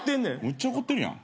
むっちゃ怒ってるやん。